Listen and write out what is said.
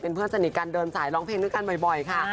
เพื่อนสนิทกันเดินสายร้องเพลงด้วยกันบ่อยค่ะ